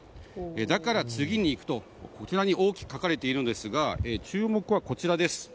だから次に行くと大きく書かれているんですが注目は、こちら。